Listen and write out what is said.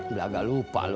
udah agak lupa lo